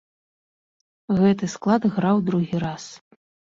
Гэты склад граў другі раз.